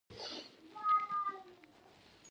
خان زمان وویل: هر وخت چې فارغه شوم، سمدستي به راځم.